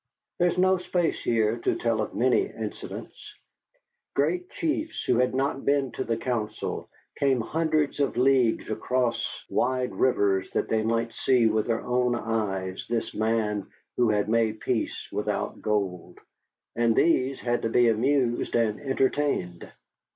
There is no space here to tell of many incidents. Great chiefs who had not been to the council came hundreds of leagues across wide rivers that they might see with their own eyes this man who had made peace without gold, and these had to be amused and entertained.